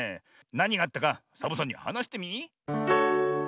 なにがあったかサボさんにはなしてみ。